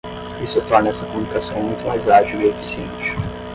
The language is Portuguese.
Isso torna essa comunicação muito mais ágil e eficiente.